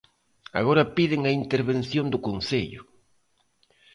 Agora piden a intervención do Concello.